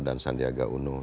dan sandiaga unum